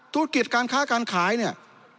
ธุรกิจการค้าการขายเนี่ย